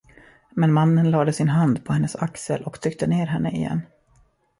Men mannen lade sin hand på hennes axel och tryckte ner henne igen.